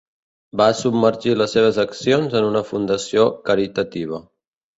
Va submergir les seves accions en una fundació caritativa.